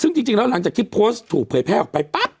ซึ่งจริงแล้วหลังจากที่โพสต์ถูกเผยแพร่ออกไปปั๊บ